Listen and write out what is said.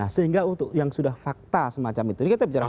sehingga untuk yang sudah fakta semacam itu